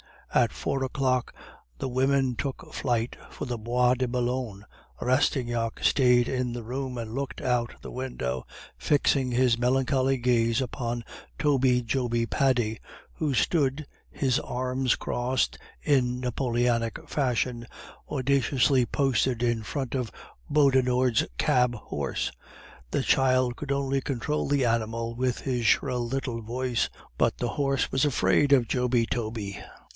At four o'clock the women took flight for the Bois de Boulogne; Rastignac stayed in the room and looked out of the window, fixing his melancholy gaze upon Toby Joby Paddy, who stood, his arms crossed in Napoleonic fashion, audaciously posted in front of Beaudenord's cab horse. The child could only control the animal with his shrill little voice, but the horse was afraid of Joby Toby.